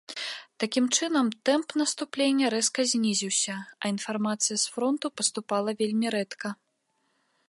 Такім чынам, тэмп наступлення рэзка знізіўся, а інфармацыя з фронту паступала вельмі рэдка.